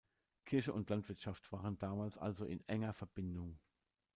Kirche und Landwirtschaft waren damals also in enger Verbindung.